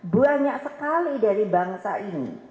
banyak sekali dari bangsa ini